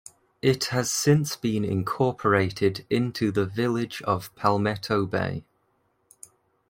It has since been incorporated into the Village of Palmetto Bay.